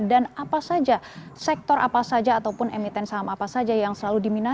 dan apa saja sektor apa saja ataupun emiten saham apa saja yang akan menyebabkan